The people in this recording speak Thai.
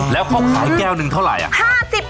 แล้วเขาขายแก้วหนึ่งเท่าไหร่